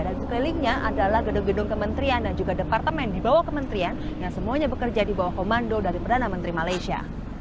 dan sekelilingnya adalah gedung gedung kementerian dan juga departemen di bawah kementerian yang semuanya bekerja di bawah komando dari perdana menteri malaysia